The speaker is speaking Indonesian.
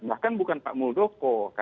bahkan bukan pak budoko